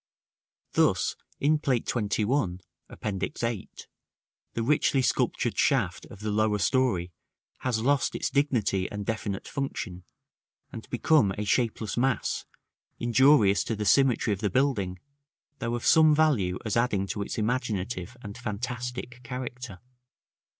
Thus, in Plate XXI. (Appendix 8), the richly sculptured shaft of the lower story has lost its dignity and definite function, and become a shapeless mass, injurious to the symmetry of the building, though of some value as adding to its imaginative and fantastic character.